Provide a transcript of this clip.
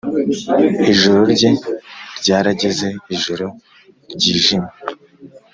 ijoro rye ryarageze - ijoro ryijimye